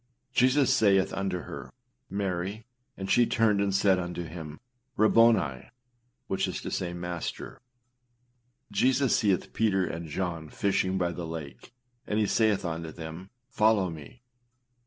âJesus saith unto her, Mary, and she turned and said unto him, Rabboni, which is to say, Master.â Jesus seeth Peter and John fishing by the lake, and he saith unto them, âFollow me.